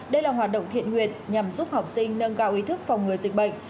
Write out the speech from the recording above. đây là hoạt động thiện nguyện nhằm giúp học sinh nâng cao ý thức phòng ngừa dịch bệnh